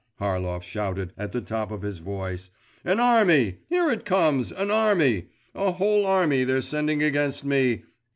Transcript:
Harlov shouted at the top of his voice. 'An army … here it comes, an army! A whole army they're sending against me!